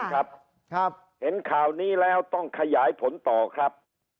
ครับเห็นข่าวนี้แล้วต้องขยายผลต่อครับ